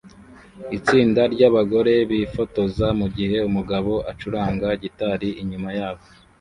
Itsinda ryabagore bifotoza mugihe umugabo acuranga gitari inyuma yabo